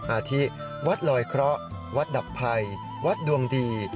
อาทิวัดลอยเคราะห์วัดดับภัยวัดดวงดี